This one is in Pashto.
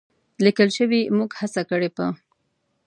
لیکل شوې، موږ هڅه کړې په